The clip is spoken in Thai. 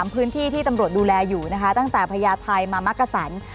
พื้นที่ที่ตำรวจดูแลอยู่นะคะตั้งแต่พญาไทยมามักกษัน